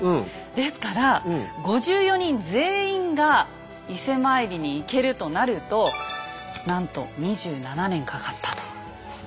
ですから５４人全員が伊勢参りに行けるとなるとなんと２７年かかったということですね。